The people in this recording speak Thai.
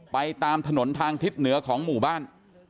ไปตามถนนทางทิศเหนือของหมู่บ้าน